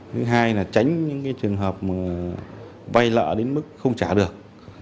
thứ hai là tránh những trường hợp vay nợ đến mức không trả được